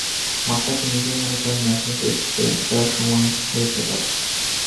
মাশরাফি নিজেও মনে করেন না, এখনই টেস্টে ফেরার সময় হয়েছে তাঁর।